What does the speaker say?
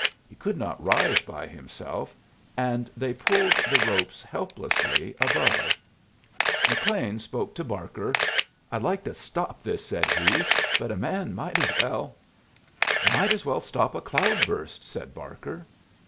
He could not rise by himself, and they pulled the ropes helplessly above. McLean spoke to Barker. "I'd like to stop this," said he, "but a man might as well " "Might as well stop a cloud burst," said Barker.